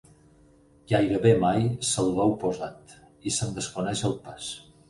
Gairebé mai se'l veu posat i se'n desconeix el pes.